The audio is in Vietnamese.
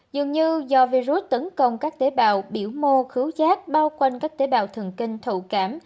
dường như do virus tấn công các tế bào biểu mô khứu chát bao quanh các tế bào thường kinh thụ cảm